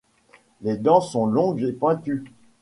Les dents sont longues et pointues.